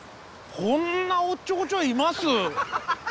こんなおっちょこちょいいます？